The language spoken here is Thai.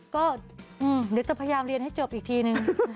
ก็เดี๋ยวจะพยายามเรียนให้จบอีกทีนึง